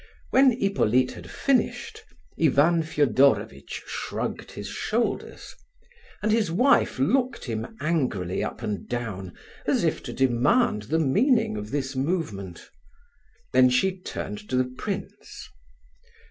When Hippolyte had finished, Ivan Fedorovitch shrugged his shoulders, and his wife looked him angrily up and down, as if to demand the meaning of his movement. Then she turned to the prince.